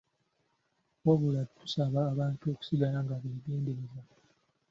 Wabula tusaba abantu okusigala nga beegendereza.